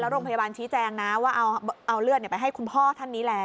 โรงพยาบาลชี้แจงนะว่าเอาเลือดไปให้คุณพ่อท่านนี้แล้ว